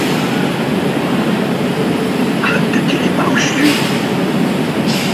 Je ne te dirai pas où je suis.